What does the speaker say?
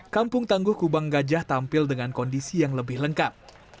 kampung tangguh kubang gajah tampil dengan kondisi yang lebih lengkap